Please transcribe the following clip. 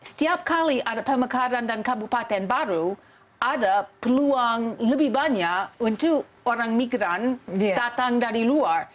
setiap kali ada pemekaran dan kabupaten baru ada peluang lebih banyak untuk orang migran datang dari luar